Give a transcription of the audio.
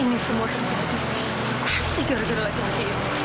ini semua terjadi pasti karena laki laki itu